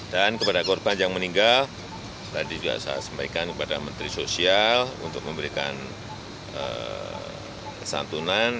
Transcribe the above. dan kepada korban yang meninggal tadi juga saya sampaikan kepada menteri sosial untuk memberikan kesantunan